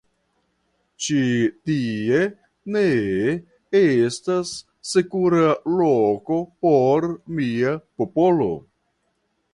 Ĉi tie ne estas sekura loko por mia popolo.